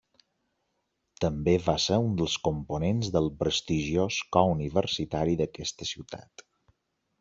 També va ser un dels components del prestigiós cor universitari d'aquesta ciutat.